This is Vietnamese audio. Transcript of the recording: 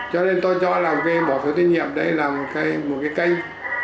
cho nên tôi cho làm cái bỏ phiếu tín nhiệm đây là một cái kênh